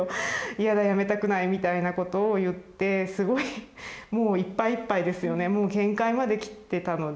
嫌だやめたくないみたいなことを言ってすごいもういっぱいいっぱいですよねもう限界まできてたので。